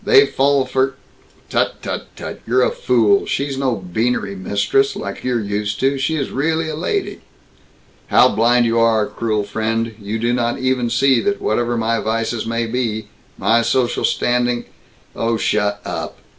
They fall for " "Tut, tut, tut! You're a fool. She's no beanery mistress, like you're used to. She really is a lady." "How blind you are, cruel friend. You do not even see that whatever my vices may be, my social standing " "Oh shut up!